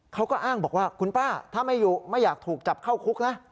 เขาก็อ้างบอกว่าคุณป้าถ้าไม่อยากถูกจับเข้าคุกนะ